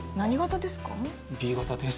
Ｂ型です。